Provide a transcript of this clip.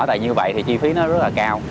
tại như vậy thì chi phí nó rất là cao